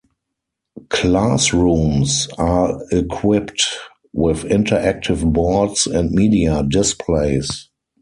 Classrooms are equipped with interactive boards and media displays.